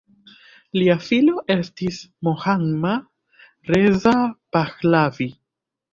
Lia filo estis Mohammad Reza Pahlavi.